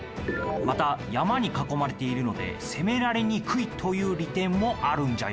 また山に囲まれているので攻められにくいという利点もあるんじゃよ。